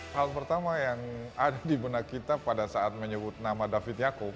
hal pertama yang ada di benak kita pada saat menyebut nama david yaakub